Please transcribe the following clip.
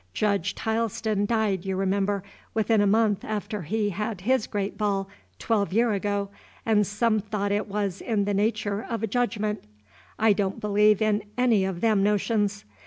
Judge Tileston died, you remember, within a month after he had his great ball, twelve year ago, and some thought it was in the natur' of a judgment. I don't believe in any of them notions.